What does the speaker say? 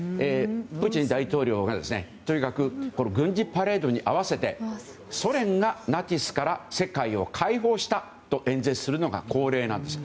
プーチン大統領がとにかく軍事パレードに合わせてソ連がナチスから世界を解放したと演説するのが恒例なんです。